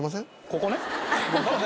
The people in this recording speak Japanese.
ここね。